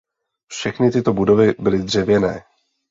Všechny tyto budovy byly dřevěné.